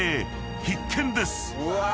［必見です！］